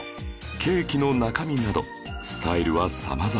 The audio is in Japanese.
ケーキの中身などスタイルは様々